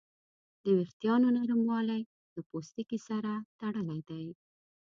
د وېښتیانو نرموالی د پوستکي سره تړلی دی.